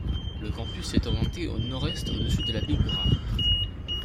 Le campus est orienté au nord-est au-dessus de la baie Burrard.